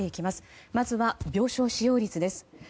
まずは病床使用率です。